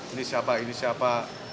ini siapa ini siapa